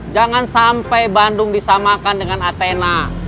jangan sampai bandung disamakan dengan athena